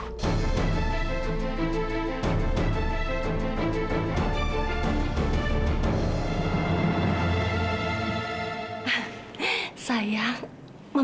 sekarang kita harus mencari jalan kembali